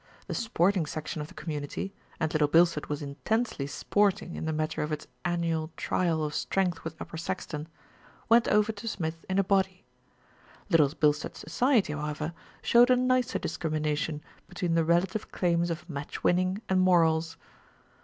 The sporting section of the community, and Little Bilstead was intensely sporting in the matter of its an nual trial of strength with Upper Saxton, went over to Smith in a body. Little Bilstead Society, however, showed a nicer discrimination between the relative claims of match winning and morals.